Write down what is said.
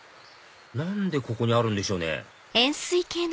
何でここにあるんでしょうね